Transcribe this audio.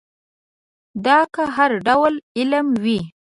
دا که هر ډول علم وي.